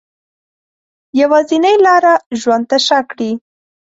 یوازینۍ لاره ژوند ته شا کړي